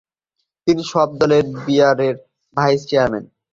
তিনি সব দলের বিয়ারের ভাইস চেয়ারম্যান।